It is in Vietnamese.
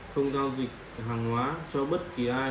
không giao dịch hàng hóa cho bất kỳ ai